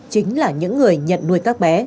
chính là những người nhận nuôi các bé